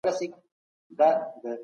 هغه په سيمه کې يو مشهور علمي شخصيت و.